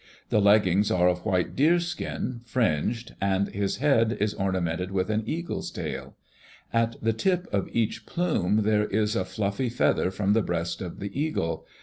The leggings are of white deerskin, fringed, and his head is ornamented with an eagle's tail; at the tip of each plume there is a fluffy feather from the breast of the eagle.